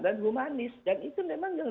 dan bumanis dan itu memang yang